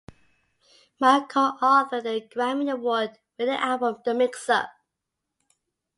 Mark co-authored the Grammy Award winning album "The Mix-Up".